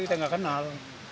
kita nggak kenal